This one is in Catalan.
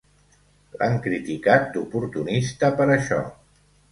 L'han criticat d'oportunista per això.